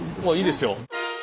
いいですよ。